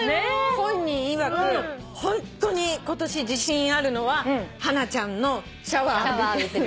本人いわくホントに今年自信あるのはハナちゃんのシャワー浴びてる。